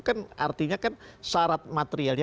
kan artinya kan syarat materialnya